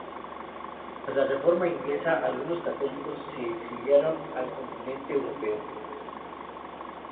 Tras la Reforma inglesa, algunos católicos se exiliaron al continente europeo.